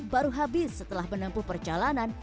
baru habis setelah menempuh perjalanan